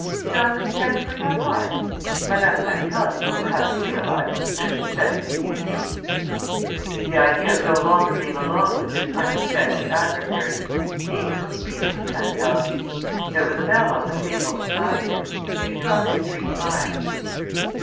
"Shall we send for your wife? Madame Pancaldi will perhaps realize the position better than you do." The idea of no longer being alone with this unexpected adversary seemed to appeal to Pancaldi. There was a bell on the table beside him. He struck it three times.